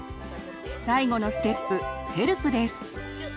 最後のステップ「ＨＥＬＰ」です。